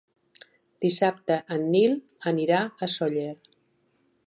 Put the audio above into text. Dissabte en Nil anirà a Sóller.